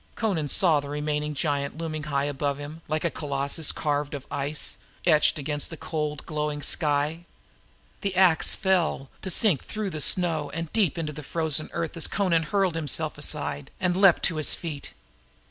Amra saw the remaining giant looming above him like a colossus carved of ice, etched against the glowing sky. The axe fell, to sink through the snow and deep into the frozen earth as Amra hurled himself aside and leaped to his feet.